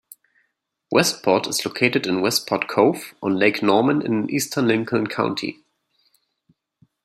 Westport is located in Westport Cove on Lake Norman in eastern Lincoln County.